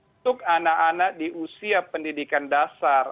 untuk anak anak di usia pendidikan dasar